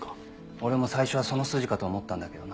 俺も最初はその筋かと思ったんだけどな。